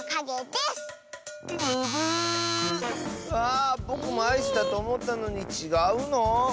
あぼくもアイスだとおもったのにちがうの？